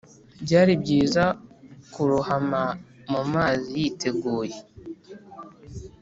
byari byiza kurohama mumazi yiteguye